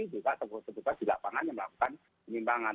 juga tentu tentu di lapangan yang melakukan pembimbangan